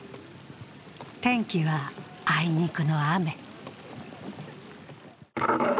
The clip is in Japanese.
天気はあいにくの雨。